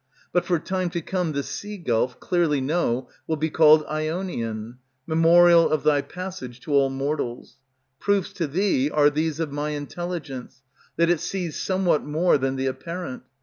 But for time to come the sea gulf, Clearly know, will be called Ionian, Memorial of thy passage to all mortals. Proofs to thee are these of my intelligence, That it sees somewhat more than the apparent.